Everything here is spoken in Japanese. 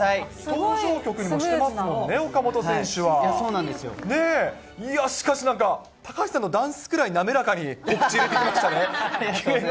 登場曲にもしてますもんね、そうなんですよ。ねぇ、しかし、なんか高橋さんのダンスくらい滑らかに告知入れてきましたね。